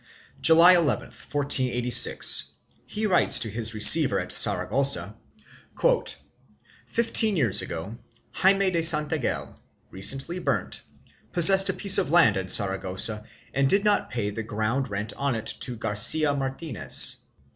July 11, 1486, he writes to his receiver at Saragossa " Fifteen years ago, Jaime de Santangel, recently burnt, possessed a piece of land in Saragossa and did not pay tEe~griound rent on it to Garcia Martinez.